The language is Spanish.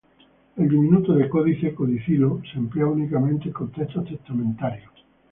El diminutivo de "códice", "codicilo", se emplea únicamente en contextos testamentarios.